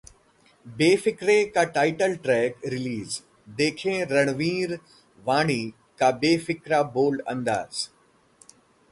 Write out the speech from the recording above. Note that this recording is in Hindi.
'बेफिेक्रे' का टाइटल ट्रैक रिलीज, देखें रणवीर-वाणी का बेफिक्रा बोल्ड अंदाज